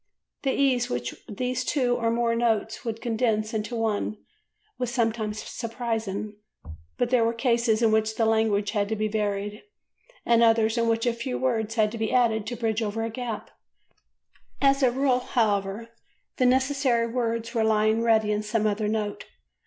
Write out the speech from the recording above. The ease with which two or more notes would condense into one was sometimes surprising, but there were cases in which the language had to be varied and others in which a few words had to be added to bridge over a gap; as a rule, however, the necessary words were lying ready in some other note.